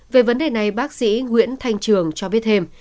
về vấn đề này bác sĩ nguyễn thanh trường cho biết thêm